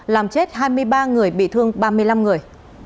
làm chết hai mươi ba người bị thương ba mươi năm người